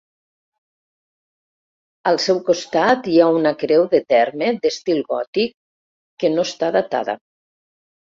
Al seu costat hi ha una creu de terme d'estil gòtic, que no està datada.